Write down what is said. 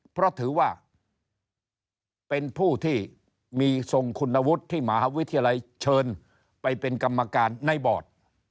เพราะถือว่าเป็นผู้ที่มีทรงคุณวุฒิที่มหาวิทยาลัยเชิญไปเป็นกรรมการในบอร์ด